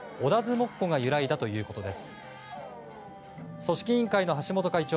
もっこが由来だということです。